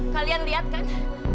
kalian lihat kan